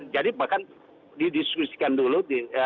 jadi bahkan didiskusikan dulu